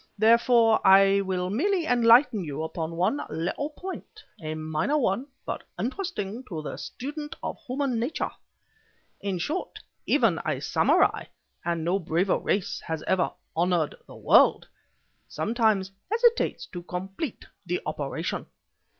Therefore I will merely enlighten you upon one little point, a minor one, but interesting to the student of human nature. In short, even a samurai and no braver race has ever honored the world sometimes hesitates to complete the operation.